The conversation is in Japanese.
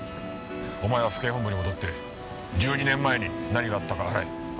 お前は府警本部に戻って１２年前に何があったか洗え。